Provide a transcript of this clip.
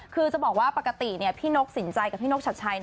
คือจะบอกว่าปกติพี่นกสินใจกับพี่นกชัดชัย